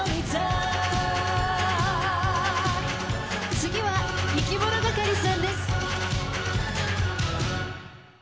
次はいきものがかりさんです。